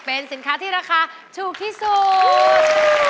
เป็นสินค้าที่ราคาถูกที่สุด